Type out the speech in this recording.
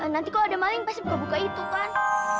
nanti kalau ada maling pasti buka buka itu kan